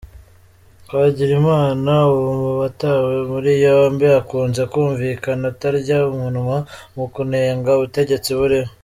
Twagirimana uri mu batawe muri yombi akunze kumvikana atarya umunwa mu kunenga ubutegetsi buriho.